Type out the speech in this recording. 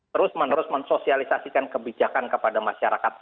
terus menerus mensosialisasikan kebijakan kepada masyarakat